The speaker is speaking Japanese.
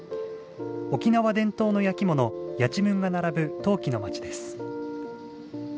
沖縄伝統の焼き物やちむんが並ぶ陶器の町です。